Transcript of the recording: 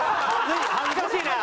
恥ずかしいな！